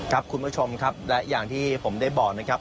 ครับคุณผู้ชมครับและอย่างที่ผมได้บอกนะครับ